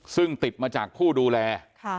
ซึ่งติดมาจากผู้ดูแล